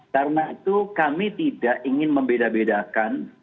karena itu kami tidak ingin membeda bedakan